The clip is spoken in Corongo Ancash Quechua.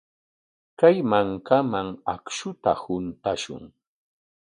Kay mankaman akshuta huntashun.